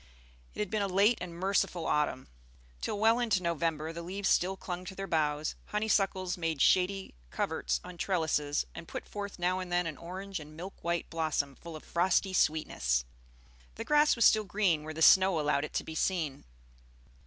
It had been a late and merciful autumn. Till well into November the leaves still clung to their boughs, honeysuckles made shady coverts on trellises, and put forth now and then an orange and milk white blossom full of frosty sweetness; the grass was still green where the snow allowed it to be seen.